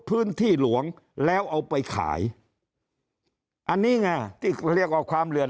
พื้นที่หลวงแล้วเอาไปขายอันนี้ไงที่เรียกว่าความเหลือน